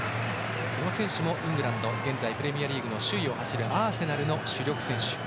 この選手もイングランドで現在、プレミアリーグ首位を走るアーセナルの主力選手。